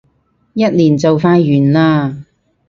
一年就快完嘞